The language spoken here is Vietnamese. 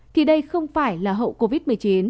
thì đây không phải là hậu covid một mươi chín